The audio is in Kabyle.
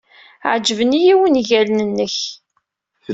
Ɛejben-iyi wungalen-nnek.